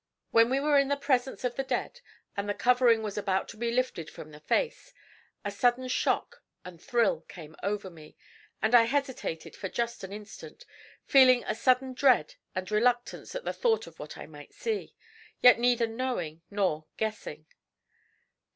When we were in the presence of the dead, and the covering was about to be lifted from the face, a sudden shock and thrill came over me, and I hesitated for just an instant, feeling a sudden dread and reluctance at the thought of what I might see, yet neither knowing nor guessing.